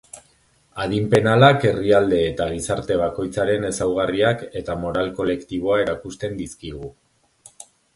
Adin penalak herrialde eta gizarte bakoitzaren ezaugarriak eta moral kolektiboa erakusten dizkigu.